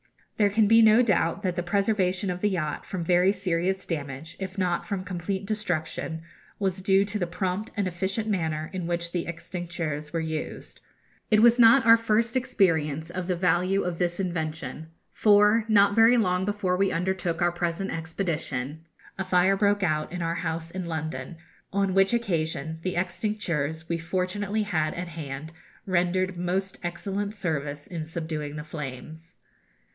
There can be no doubt that the preservation of the yacht from very serious damage, if not from complete destruction, was due to the prompt and efficient manner in which the extincteurs were used. It was not our first experience of the value of this invention; for, not very long before we undertook our present expedition, a fire broke out in our house in London, on which occasion the extincteurs we fortunately had at hand rendered most excellent service in subduing the flames.